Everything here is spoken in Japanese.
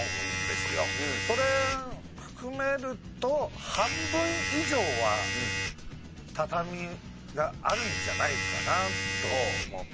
それ含めると半分以上は畳があるんじゃないかなと思って。